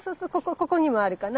ここにもあるかな。